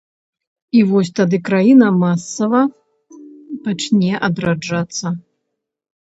І вось тады краіна масава пачне адраджацца.